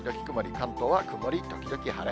関東は曇り時々晴れ。